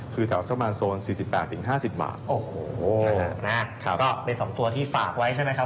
คือแถวสักประมาณโซน๔๘๕๐บาทโอ้โหนะก็เป็น๒ตัวที่ฝากไว้ใช่ไหมครับ